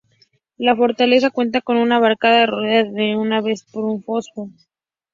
La fortaleza cuenta con una barbacana rodeada a su vez por un foso.